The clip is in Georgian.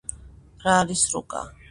რა არის რუკა